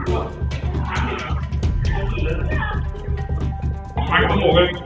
สวัสดีครับวันนี้เราจะกลับมาเมื่อไหร่